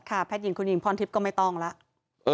แพทย์หญิงคุณหญิงพรทิพย์ก็ไม่ต้องแล้ว